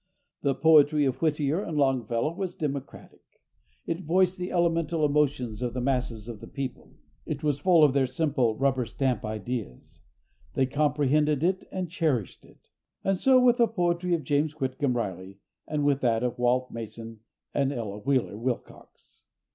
The poetry of Whittier and Longfellow was democratic. It voiced the elemental emotions of the masses of the people; it was full of their simple, rubber stamp ideas; they comprehended it and cherished it. And so with the poetry of James Whitcomb Riley, and with that of Walt Mason and Ella Wheeler Wilcox.